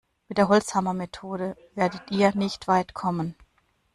Mit der Holzhammermethode werdet ihr nicht weit kommen.